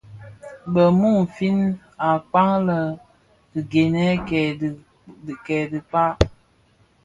Bë mumfin akpaň lè dhi gènè kè dhikpag.